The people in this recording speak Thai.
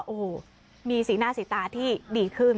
โอ้โหมีสีหน้าสีตาที่ดีขึ้น